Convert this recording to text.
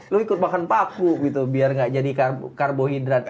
lo ikut makan paku gitu biar gak jadi karbohidrat